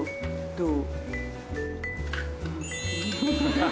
どう？